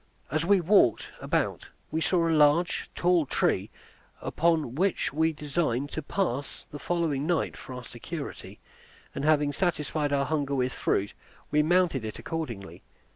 As we walked about we saw a large, tall tree, upon which we designed to pass the following night for our security; and having satisfied our hunger with fruit, we mounted it accordingly.